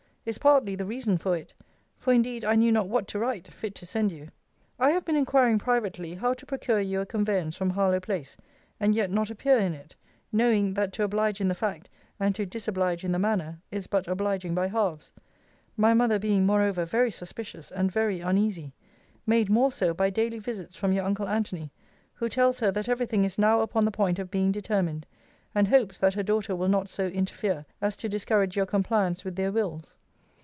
is partly the reason for it: for indeed I knew not what to write, fit to send you. I have been inquiring privately, how to procure you a conveyance from Harlowe place, and yet not appear in it; knowing, that to oblige in the fact, and to disoblige in the manner, is but obliging by halves: my mother being moreover very suspicious, and very uneasy; made more so by daily visits from your uncle Antony; who tells her, that every thing is now upon the point of being determined; and hopes, that her daughter will not so interfere, as to discourage your compliance with their wills.